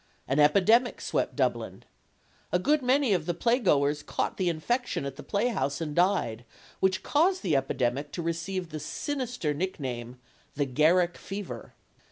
An epidemic swept Dublin. A good many of the playgoers caught the infection at the playhouse and died; which caused the epidemic to receive the sinister nickname, "the Garrick fever."